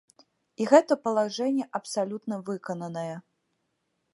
І гэта палажэнне абсалютна выкананае.